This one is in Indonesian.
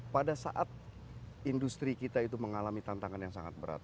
pada saat industri kita itu mengalami tantangan yang sangat berat